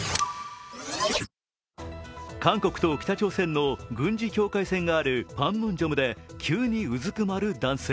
韓国と北朝鮮の軍事境界線があるパンムンジョムで急にうずくまる男性。